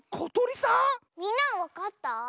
みんなはわかった？